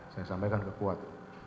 saya sampaikan ke kuat